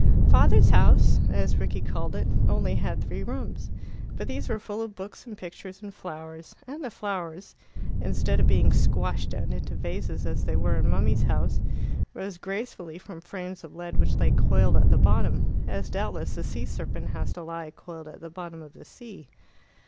"Father's house," as Rickie called it, only had three rooms, but these were full of books and pictures and flowers; and the flowers, instead of being squashed down into the vases as they were in mummy's house, rose gracefully from frames of lead which lay coiled at the bottom, as doubtless the sea serpent has to lie, coiled at the bottom of the sea.